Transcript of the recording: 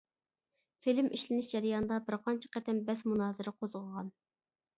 فىلىم ئىشلىنىش جەريانىدا بىرقانچە قېتىم بەس-مۇنازىرە قوزغىغان.